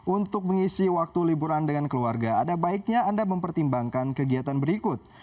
untuk mengisi waktu liburan dengan keluarga ada baiknya anda mempertimbangkan kegiatan berikut